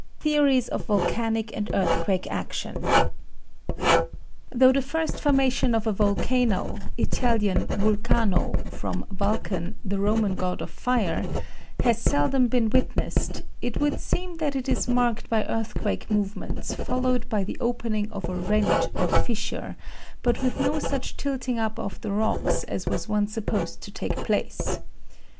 Theories of Volcanic and Earthquake Action. Though the first formation of a volcano (Italian, vulcano, from Vulcan, the Roman god of fire) has seldom been witnessed, it would seem that it is marked by earthquake movements followed by the opening of a rent or fissure; but with no such tilting up of the rocks as was once supposed to take place.